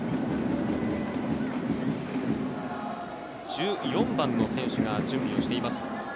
１４番の選手が準備しています。